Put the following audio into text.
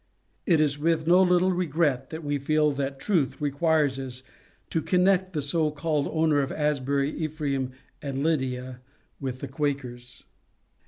It is with no little regret that we feel that truth requires us to connect the so called owner of Asbury, Ephraim, and Lydia with the Quakers.